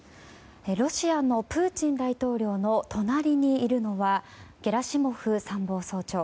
ロシアのプーチン大統領の隣にいるのはゲラシモフ参謀総長。